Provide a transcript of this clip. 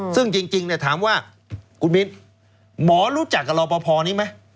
ซึ่งจริงถามว่าคุณมินหมอรู้จักกับรอปภนี้ไหม